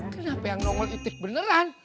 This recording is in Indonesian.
kenapa yang nongol etik beneran